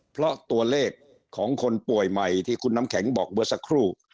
เพราะตัวเลขของคนป่วยใหม่ที่คุณน้ำแข็งบอกเมื่อสักครู่